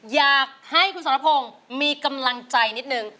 อยากให้คุณสัตว์นโภงมีคำลังใจนิดหนึ่ง